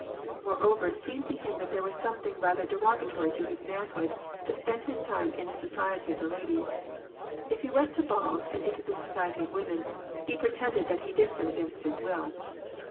Moreover, it seemed to him that there was something rati derogatory to his manhood to spend his time in the society the ladies. If he went to balls and into the society of womi he pretended that he did so against his will.